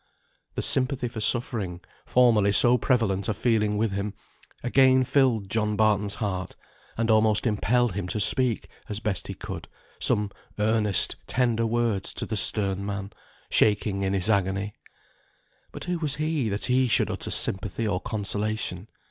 The sympathy for suffering, formerly so prevalent a feeling with him, again filled John Barton's heart, and almost impelled him to speak (as best he could) some earnest, tender words to the stern man, shaking in his agony. But who was he, that he should utter sympathy or consolation?